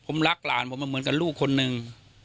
ผมรักหลานผมเหมือนกับลูกคนหนึ่ง